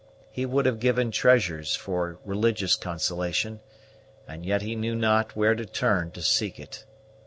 He would have given treasures for religious consolation, and yet he knew not where to turn to seek it.